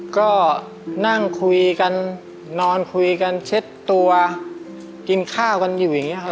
ก็นั่งคุยกันนอนคุยกันเช็ดตัวกินข้าวกันอยู่อย่างนี้ครับ